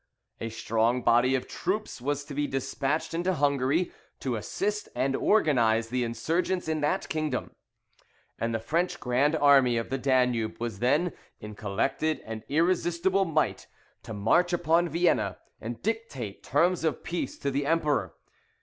A strong body of troops was to be despatched into Hungary, to assist and organize the insurgents in that kingdom; and the French grand army of the Danube was then, in collected and irresistible might, to march upon Vienna, and dictate terms of peace to the Emperor.